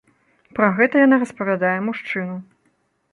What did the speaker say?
Пра гэта яна распавядае мужчыну.